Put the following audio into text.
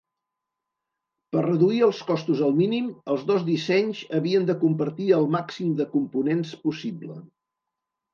Per reduir els costos al mínim, els dos dissenys havien de compartir el màxim de components possible.